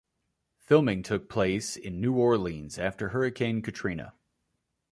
Filming took place in New Orleans after Hurricane Katrina.